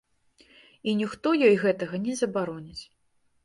І ніхто ёй гэтага не забароніць.